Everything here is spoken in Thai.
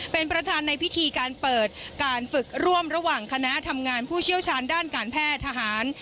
เป็นประธานในพิธีการเปิดการฝึกร่วมระหว่างคณะทำงานผู้เชี่ยวชาญด้านการแพทย์ทหาร